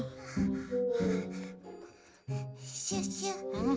うん？